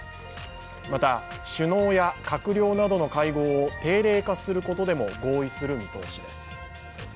また首脳や閣僚などの会合を定例化することでも合意する見通しです。